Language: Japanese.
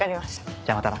じゃあまたな。